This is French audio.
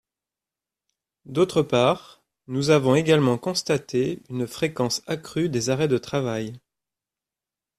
D’autre part, nous avons également constaté une fréquence accrue des arrêts de travail.